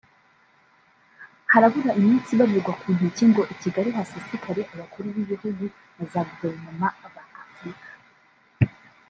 Harabura iminsi ibarirwa ku ntoki ngo i Kigali hasesekare Abakuru b’Ibihugu na za Guverinoma ba Afurika